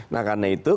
nah karena itu